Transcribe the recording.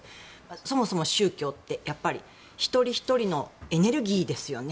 そもそも宗教って一人ひとりのエネルギーですよね。